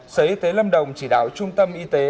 sở y tế lâm đồng chỉ đạo trung tâm y tế